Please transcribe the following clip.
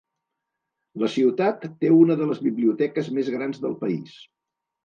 La ciutat té una de les biblioteques més grans del país.